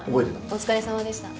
お疲れさまでした。